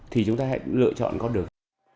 thì chúng ta hãy lựa chọn có được